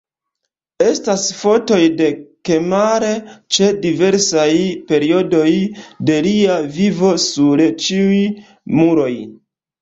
Estas fotoj de Kemal ĉe diversaj periodoj de lia vivo sur ĉiuj muroj.